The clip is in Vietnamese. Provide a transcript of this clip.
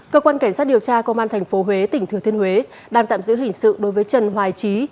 cơ quan cảnh sát điều tra công an tp huế tỉnh thừa thiên huế đang tạm giữ hình sự đối với trần hoài trí